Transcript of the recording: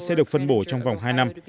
sẽ được phân bổ trong vòng hai năm